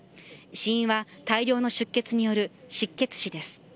死因は大量の出血による失血死です。